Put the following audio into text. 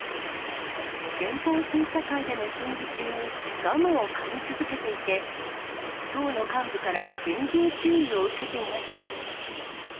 憲法審査会での審議中に、ガムをかみ続けていて、党の幹部から厳重注意を受けていました。